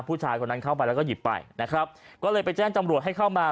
ผู้ชายคนนั้นเข้าไปแล้วก็หยิบไปนะครับก็เลยไปแจ้งจำรวจให้เข้ามา